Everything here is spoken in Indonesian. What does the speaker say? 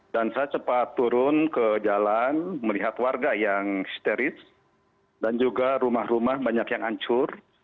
dan saya cepat turun ke jalan melihat warga yang isteris dan juga rumah rumah banyak yang hancur